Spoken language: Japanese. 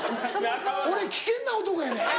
俺危険な男やで。